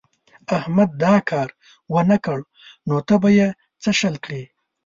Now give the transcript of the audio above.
احمد دا کار و نه کړ نو ته به يې څه شل کړې.